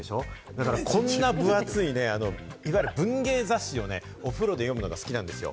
だからこんな分厚いね、いわゆる文芸雑誌をね、お風呂で読むのが好きなんですよ。